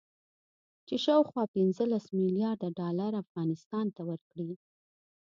چې شاوخوا پنځلس مليارده ډالر افغانستان ته ورکړي